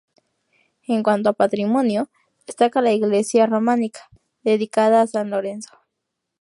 En cuanto a patrimonio, destaca la iglesia románica, dedicada a San Lorenzo.